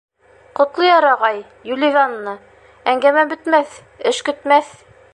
— Ҡотлояр ағай, Юливанна, әңгәмә бөтмәҫ, эш көтмәҫ.